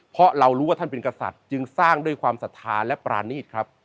เพราะเรารู้ว่าท่านเป็นกษัตริย์จึงสร้างด้วยความศรัทธาและปรานีตครับ